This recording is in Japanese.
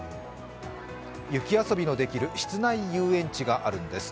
雪遊びのできる室内遊園地があるんです。